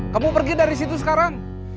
kamu pergi dari situ sekarang